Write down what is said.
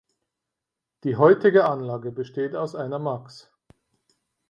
Die heutige Anlage besteht aus einer max.